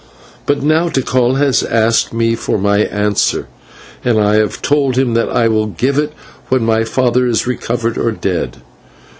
But now Tikal has asked me for my answer, and I have told him that I will give it when my father is recovered or dead.